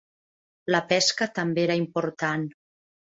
La pesca també era important.